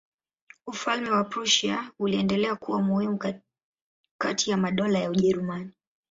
Ufalme wa Prussia uliendelea kuwa muhimu kati ya madola ya Ujerumani.